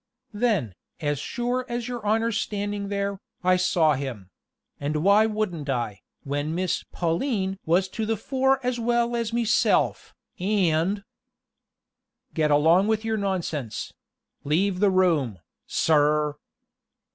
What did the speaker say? "Then, as sure as your honor's standing there, I saw him: and why wouldn't I, when Miss Pauline was to the fore as well as meself, and " "Get along with your nonsense leave the room, sir!"